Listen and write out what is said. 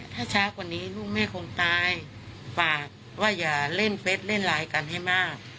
ถ้าช้ากว่านี้ลูกแม่คงตายฝากว่าอย่าเล่นเฟสเล่นไลน์กันให้มาก